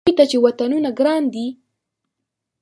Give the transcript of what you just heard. هغوی ته چې وطنونه ګران دي.